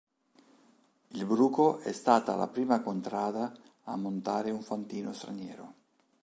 Il Bruco è stata la prima contrada a montare un fantino straniero.